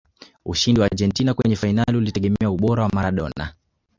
ushindi wa argentina kwenye fainali ulitegemea ubora wa maradona